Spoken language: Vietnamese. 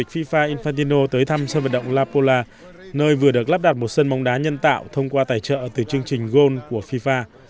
fifa infastino tới thăm sân vận động lapola nơi vừa được lắp đặt một sân bóng đá nhân tạo thông qua tài trợ từ chương trình gold của fifa